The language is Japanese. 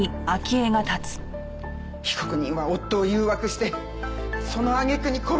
被告人は夫を誘惑してその揚げ句に殺したんです。